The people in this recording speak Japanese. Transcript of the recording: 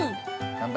乾杯。